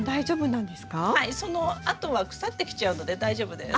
はいそのあとは腐ってきちゃうので大丈夫です。